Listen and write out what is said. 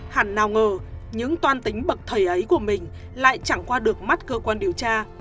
hẳn nào ngờ những toan tính bậc thầy ấy của mình lại chẳng qua được mắt cơ quan điều tra